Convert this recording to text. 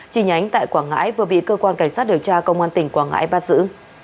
chỉ nhánh tại quảng ngãi vừa bị cơ quan cảnh sát điều tra công an tỉnh quảng ngãi bắt giữ